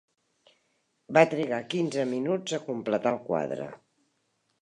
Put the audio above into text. Va trigar quinze minuts a completar el quadre.